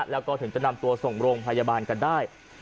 แล้วก็ถึงจะนำตัวส่งโรงพยาบาลกันได้